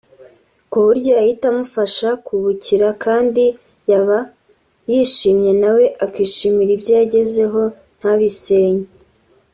ku buryo yahita umufasha kubukira kandi yaba yishimye nawe akishimira ibyo yagezeho ntabisenye